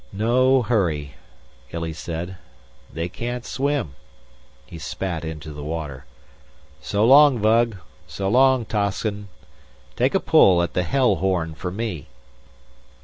"No hurry," Illy said. "They can't swim." He spat into the water. "So long, Vug. So long, Toscin. Take a pull, at the Hell Horn for me."